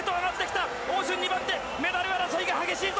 オウ・ジュン、２番手メダル争いが激しいぞ。